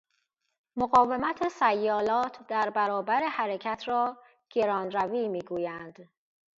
مقاومت سیالات در برابر حرکت را گرانروی میگویند.